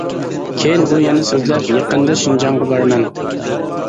كېيىن ئۇ يەنە سۆزلەپ: يېقىندا شىنجاڭغا بارىمەن.